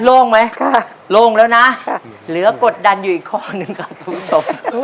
ลงไหมลงแล้วนะเหลือกดดันอยู่อีกข้อนึงค่ะสมศตรี